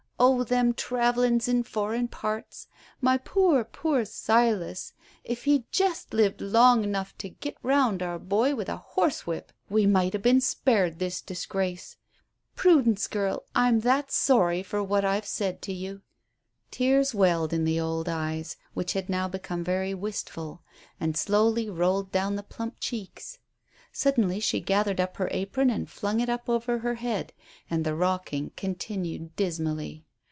"Oh, them travellin's in foreign parts. My poor, poor Silas; if he'd jest lived long 'nough to git around our boy with a horsewhip we might ha' been spared this disgrace. Prudence, girl, I'm that sorry for what I've said to you." Tears welled in the old eyes, which had now become very wistful, and slowly rolled down the plump cheeks. Suddenly she gathered up her apron and flung it up over her head, and the rocking continued dismally.